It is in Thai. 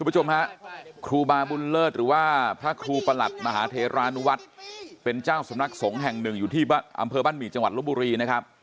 จับเลยให้ดำเนินคดีเลย